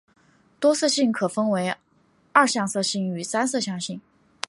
多色性可分为二向色性与三向色性。